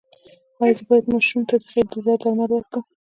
ایا زه باید ماشوم ته د خېټې د درد درمل ورکړم؟